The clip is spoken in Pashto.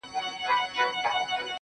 ه ولي په زاړه درد کي پایماله یې.